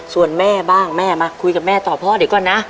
ส่วนแม่บ้างแม่มาคุยกับแม่ต่อพ่อเดี๋ยวก่อนนะ